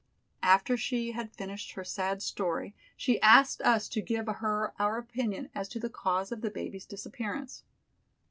After she had finished her sad story she asked us to give her our opinion as to the cause of the baby's disappearance.